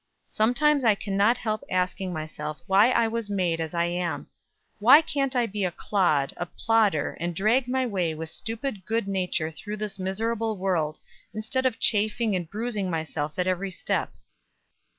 Sometimes I can not help asking myself why I was made as I am. Why can't I be a clod, a plodder, and drag my way with stupid good nature through this miserable world, instead of chafing and bruising myself at every step."